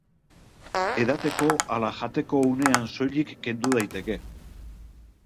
Edateko ala jateko unean soilik kendu daiteke.